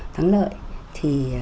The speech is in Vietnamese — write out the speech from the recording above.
thắng lợi thì